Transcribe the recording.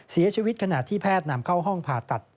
ขณะที่แพทย์นำเข้าห้องผ่าตัด